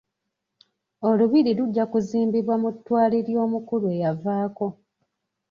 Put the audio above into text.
Olubiri lujja kuzimbibwa mu ttwale ly'omukulu eyavaako.